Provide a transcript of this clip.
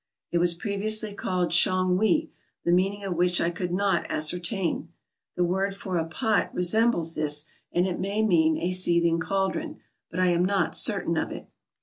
It was previously called Shongwe, the meaning of which I could not ascertain. The word for a " pot " resembles this, and it may mean a seething caldron, but I am not certain of it.